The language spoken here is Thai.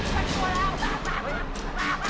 มันกว้าล่ะ